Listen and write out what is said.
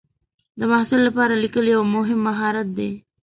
د محصل لپاره لیکل یو مهم مهارت دی.